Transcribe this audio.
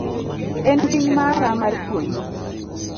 En ting' mara mar puonji.